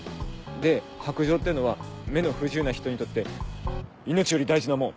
で白杖っていうのは目の不自由な人にとって命より大事なもん。